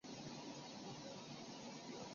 而他的姐夫是前无线电视新闻主播叶升瓒。